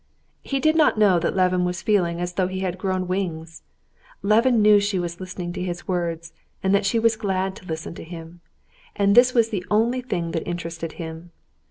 He did not know that Levin was feeling as though he had grown wings. Levin knew she was listening to his words and that she was glad to listen to him. And this was the only thing that interested him.